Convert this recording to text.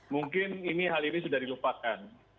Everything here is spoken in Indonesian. mungkin hal ini sudah dilupakan